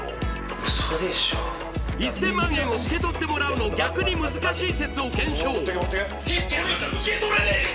ウソでしょ１０００万円を受け取ってもらうの逆に難しい説を検証受け取れって！